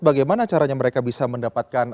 bagaimana caranya mereka bisa mendapatkan